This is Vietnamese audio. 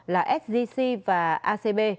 là sgc và acb